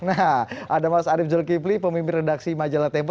nah ada mas arief zulkifli pemimpin redaksi majalah tempo